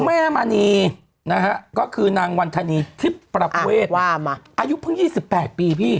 แม่มณีนะฮะก็คือนางวันธนีทิพย์ประเวทอายุเพิ่ง๒๘ปีพี่